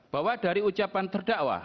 bahwa dari ucapan terdakwa